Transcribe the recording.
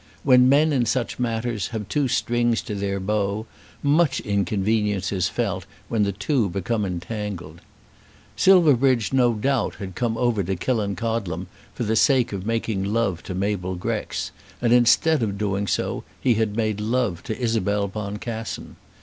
When men in such matters have two strings to their bow, much inconvenience is felt when the two become entangled. Silverbridge no doubt had come over to Killancodlem for the sake of making love to Mabel Grex, and instead of doing so he had made love to Isabel Boncassen.